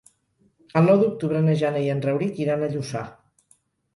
El nou d'octubre na Jana i en Rauric iran a Lluçà.